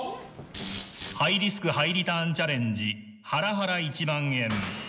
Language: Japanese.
ハイリスクハイリターンチャレンジハラハラ１万円。